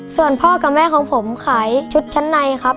ส่วนพ่อกับแม่ของผมขายชุดชั้นในครับ